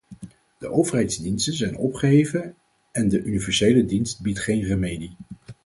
De overheidsdiensten zijn opgeheven en de universele dienst biedt geen remedie.